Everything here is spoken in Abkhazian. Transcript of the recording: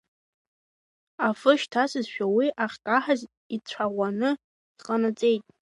Афы шьҭасызшәа уи ахькаҳаз ицәаӷәаны иҟанаҵеит.